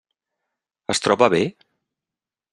Es troba bé?